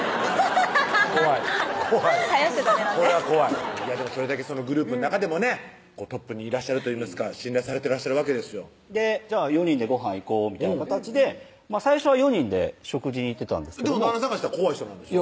怖い怖い絶やしちゃダメなんででもそれだけそのグループの中でもねトップにいらっしゃるといいますか信頼されてらっしゃるわけですよ４人でごはん行こうみたいな形で最初は４人で食事にでも旦那さんからしたら怖い人なんでしょ？